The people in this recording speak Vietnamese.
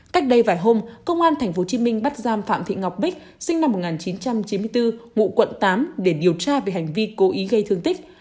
cách đây vài hôm công an tp hcm bắt giam phạm thị ngọc bích sinh năm một nghìn chín trăm chín mươi bốn ngụ quận tám để điều tra về hành vi cố ý gây thương tích